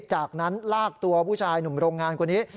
จากนั้นลากตัวผู้ชายหนุ่มโรงงานคนนี้